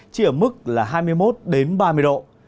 chỉ ở mức hai mươi một ba mươi độ